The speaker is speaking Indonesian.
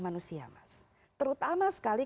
manusia mas terutama sekali